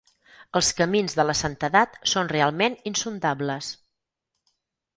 Els camins de la santedat són realment insondables.